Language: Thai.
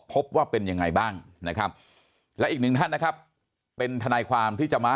พบว่าเป็นยังไงบ้างนะครับและอีกหนึ่งท่านนะครับเป็นทนายความที่จะมา